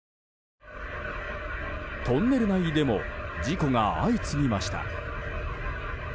トンネル内でも事故が相次ぎました。